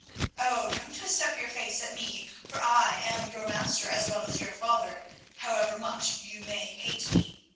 Oh! don't twist up your face at me, for I am your master as well as your father, however much you may hate me.